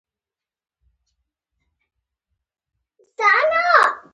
آیا د چنار ونې د پښتنو په سیمو کې ډیرې نه دي؟